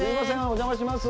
お邪魔します。